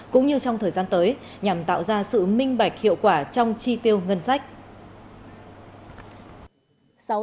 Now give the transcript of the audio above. cũng như trong thời gian tới nhằm tạo ra sự minh bạch hiệu quả trong chi tiêu ngân sách